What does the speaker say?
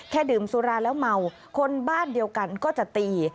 ดื่มสุราแล้วเมาคนบ้านเดียวกันก็จะตี